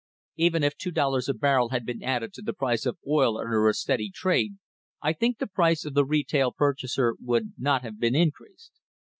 Even if two dollars a barrel had been added to the price of oil under a steady trade, I think the price of the retail purchaser would | not have been increased.